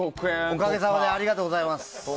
おかげさまでありがとうございます。